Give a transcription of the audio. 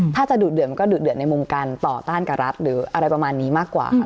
ถ้าจะดูดเดือดมันก็ดุเดือดในมุมการต่อต้านกับรัฐหรืออะไรประมาณนี้มากกว่าค่ะ